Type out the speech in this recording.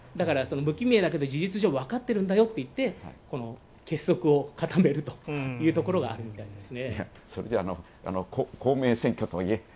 無記名だけど事実上分かってるんだよといって、結束を固めるということがあるみたいですね。